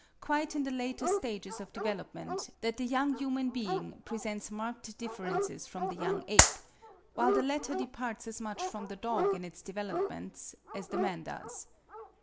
"quite in the later stages of development that the young human being presents marked differences from the young ape, while the latter departs as much from the dog in its developments, as the man does.